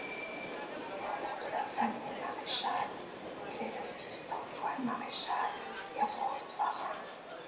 Membre de la famille Mareschal, il est le fils d'Antoine Mareschal et Rose Varin.